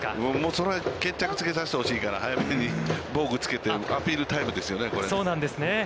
決着つけさせてほしいから、早めに防具つけてアピールタイムですね。